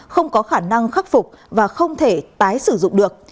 không có khả năng khắc phục và không thể tái sử dụng được